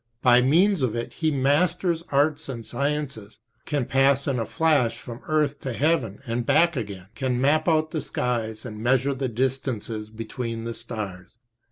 By means of it he masters arts and sciences, can pass in a flash from earth to heaven and back again, can map out the skies and measure the distances between the stars.